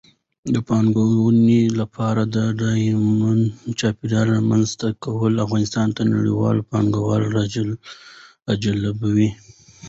د پانګونې لپاره د ډاډمن چاپېریال رامنځته کول افغانستان ته نړیوال پانګوال راجلبوي.